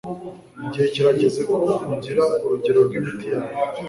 Igihe kirageze ko ugira urugero rwimiti yawe.